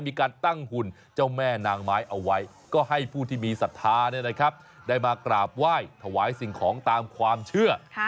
มีการตั้งหุ่นเจ้าแม่นางไม้เอาไว้ก็ให้ผู้ที่มีศรัทธาได้มากราบไหว้ถวายสิ่งของตามความเชื่อ